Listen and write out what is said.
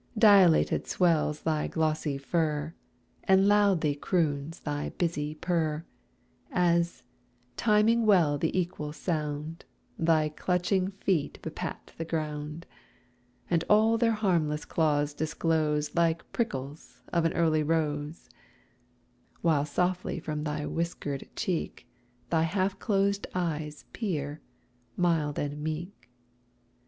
Dilated swells thy glossy fur, And loudly croons thy busy purr, As, timing well the equal sound, Thy clutching feet bepat the ground, And all their harmless claws disclose Like prickles of an early rose, While softly from thy whiskered cheek Thy half closed eyes peer, mild and meek.